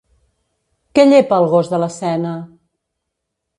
Què llepa el gos de l'escena?